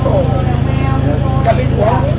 เย็นเย็น